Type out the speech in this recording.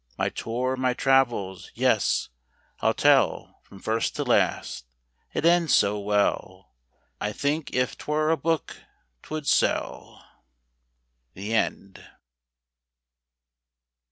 My tour, my travels—yes, I'll tell From first to last. It ends so well, I think if 'twere a book 'twould sell. THE END.